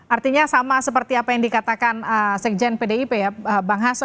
artinya sama seperti apa yang dikatakan sekjen pdip ya bang hasso